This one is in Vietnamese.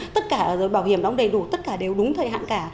tất cả rồi bảo hiểm đóng đầy đủ tất cả đều đúng thời hạn cả